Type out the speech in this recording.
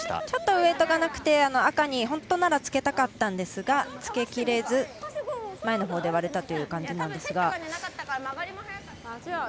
ちょっとウエートがなくて赤に本当ならつけたかったんですがつけきれず前のほうで割れた感じですが。